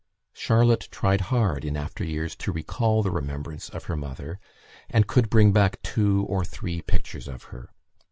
Charlotte tried hard, in after years, to recall the remembrance of her mother, and could bring back two or three pictures of her.